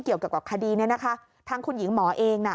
เกี่ยวกับคดีนี้นะคะทางคุณหญิงหมอเองน่ะ